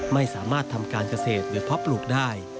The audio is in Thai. ไม่สามารถทำการเกษตรหรือเพาะปลูกได้